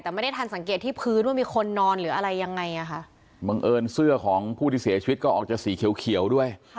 แต่ไม่ได้ทันสังเกตที่พื้นว่ามีคนนอนหรืออะไรยังไงอ่ะค่ะบังเอิญเสื้อของผู้ที่เสียชีวิตก็ออกจากสีเขียวเขียวด้วย